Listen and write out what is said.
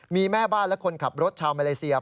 มีแม่บ้านและคนขับรถชาวมาเลเซีย